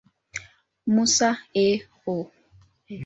Musa, A. O.